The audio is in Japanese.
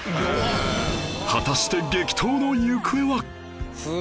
果たして激闘の行方は？